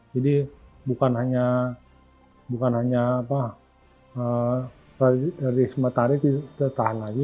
jadi bukan hanya dari semata hari tertahan lagi